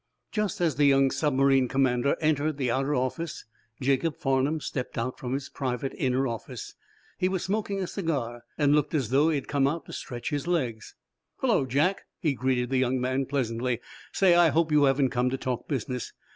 Just as the young submarine commander entered the outer office Jacob Farnum stepped out from his private, inner office. He was smoking a cigar, and looked as though he had come out to stretch his legs. "Hullo, Jack," he greeted the young man, pleasantly. "Say, I hope you haven't come to talk business.